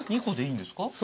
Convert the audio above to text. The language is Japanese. ２個でいいんですか？